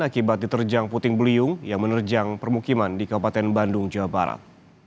akibat diterjang puting beliung yang menerjang permukiman di kabupaten bandung jawa barat